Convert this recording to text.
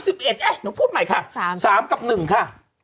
หนูพูดใหม่ค่ะ๓กับ๑ค่ะ